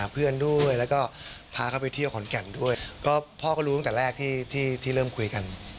พ่อก็รู้ตั้งแต่แรกในที่เริ่มคุยกัน